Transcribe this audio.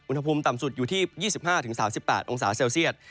อุณหภูมิต่ำสุดอยู่ที่๒๕๓๘องศาเซลเซียต